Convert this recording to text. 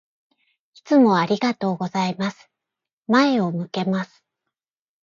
いつもありがとうございます。前を向けます。